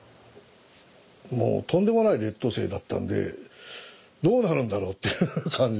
もうとんでもない劣等生だったんでどうなるんだろうって感じですよね。